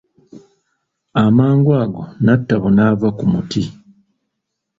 Amangu ago Natabo naava ku muti.